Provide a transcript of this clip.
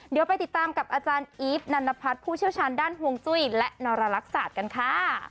เดี๋ยวไปติดตามกับอาจารย์อีฟนันนพัฒน์ผู้เชี่ยวชาญด้านห่วงจุ้ยและนรลักษากันค่ะ